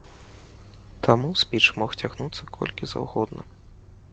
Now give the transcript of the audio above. Таму спіч мог цягнуцца колькі заўгодна.